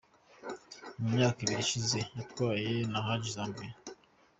Mu myaka ibiri ishize yatwawe na Hadi Janvier.